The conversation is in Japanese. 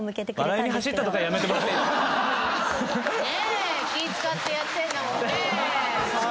気ぃ使ってやってんだもんね。